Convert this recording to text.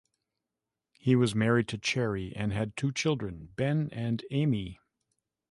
He was married to Cherry and had two children, Ben and Amey.